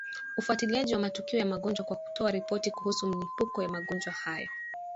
ufuatiliaji wa matukio ya magonjwa kwa kutoa ripoti kuhusu milipuko ya magonjwa hayo